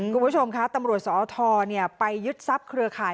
คุณผู้ชมคะตำรวจสอทไปยึดทรัพย์เครือข่าย